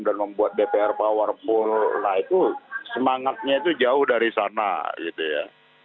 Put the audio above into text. dan membuat dpr power pull lah itu semangatnya itu jauh dari sana gitu ya